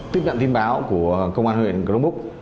tiếp tận tin báo của công an huyện cờ đông búc